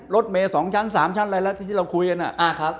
รถเมฆ๒ชั้น๓ชั้นที่เราคุยกัน